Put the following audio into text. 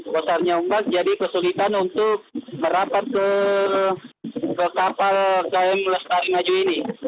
besarnya umat jadi kesulitan untuk merapat ke kapal km lestari maju ini